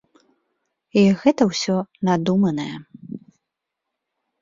І гэта ўсё надуманае.